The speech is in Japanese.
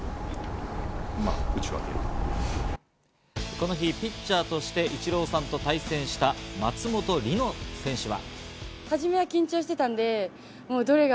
この日、ピッチャーとしてイチローさんと対戦した松本里乃選手は。